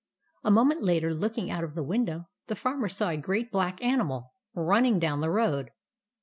A moment later, looking out of the window, the Farmer saw a great black animal running down the road.